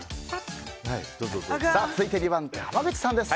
続いて２番手、濱口さんです。